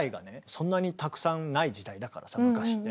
そんなにたくさんない時代だからさ昔って。